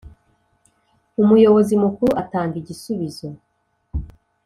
Umuyobozi Mukuru atanga igisubizo